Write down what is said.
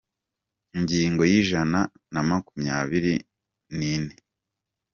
Ingingo y’ijana na makumyabiri n’ine